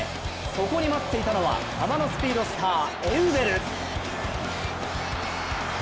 そこに待っていたのはハマのスピードスターエウベル！